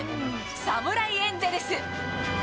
侍エンゼルス。